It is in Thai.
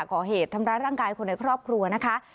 ก่อเหตุทำร้ายร่างกายคนในครอบครัวนะคะ